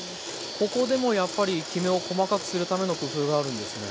ここでもやっぱりきめを細かくするための工夫があるんですね。